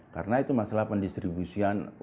karena itu masalah pendistribusian